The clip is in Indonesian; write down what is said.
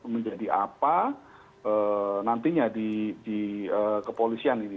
menjadi apa nantinya di kepolisian ini